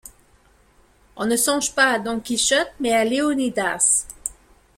On ne songe pas à Don Quichotte, mais à Léonidas.